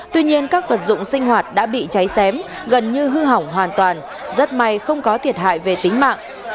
tuy nhiên các vật dụng sinh hoạt đã bị cháy xém gần như hư hỏng hoàn toàn rất may không có thiệt hại về tính mạng